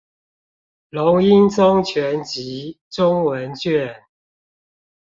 龍瑛宗全集中文卷